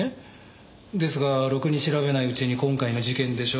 ですがろくに調べないうちに今回の事件でしょう。